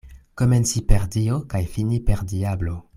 Komenci per Dio kaj fini per diablo.